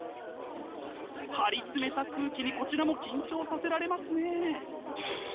張り詰めた空気にこちらも緊張させられますね！